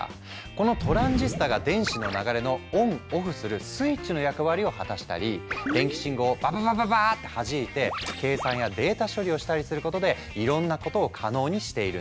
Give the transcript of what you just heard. このトランジスタが電子の流れのＯＮＯＦＦするスイッチの役割を果たしたり電気信号を「バババババッ！」ってはじいて計算やデータ処理をしたりすることでいろんなことを可能にしているの。